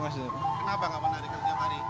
kenapa nggak menarik tiap hari